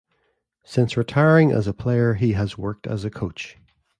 Since retiring as a player he has worked as a coach.